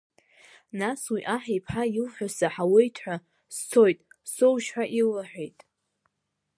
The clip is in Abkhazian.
Нас уи аҳ иԥҳа илҳәо саҳауеит ҳәа, сцоит, соужь ҳәа илыҳәеит.